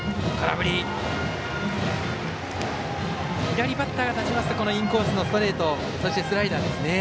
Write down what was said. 左バッターが立ちますとインコースのストレートそしてスライダーですね。